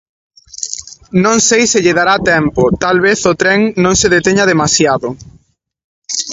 _Non sei se lle dará tempo, talvez o tren non se deteña demasiado.